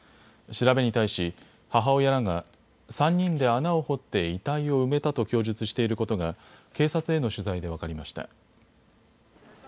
調べに対し母親らが３人で穴を掘って遺体を埋めたと供述していることが警察への取材で分かりました。